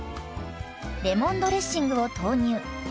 レモンドレッシングを投入。